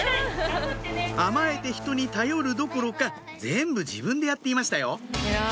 甘えて人に頼るどころか全部自分でやっていましたよ